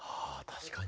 確かに。